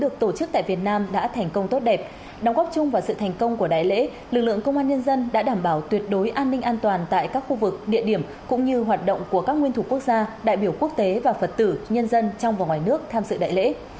đại lễ phật đàn liên hợp quốc vê sắc hai nghìn một mươi chín đã thành công tốt đẹp đóng góp chung vào sự thành công của đại lễ lực lượng công an nhân dân đã đảm bảo tuyệt đối an ninh an toàn tại các khu vực địa điểm cũng như hoạt động của các nguyên thủ quốc gia đại biểu quốc tế và phật tử nhân dân trong và ngoài nước tham dự đại lễ